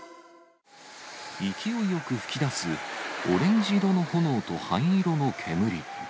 勢いよく噴き出すオレンジ色の炎と灰色の煙。